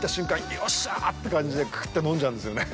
よっしゃーって感じでクーっと飲んじゃうんですよね。